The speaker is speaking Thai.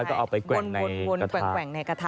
ก็เอาไปแกว่งในกระทะบนแกว่งในกระทะ